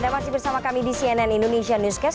anda masih bersama kami di cnn indonesia newscast